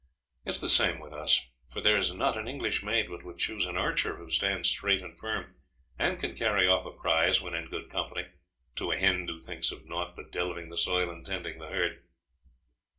It is the same with us; for there is not an English maid but would choose an archer who stands straight and firm, and can carry off a prize when in good company, to a hind who thinks of naught but delving the soil and tending the herd."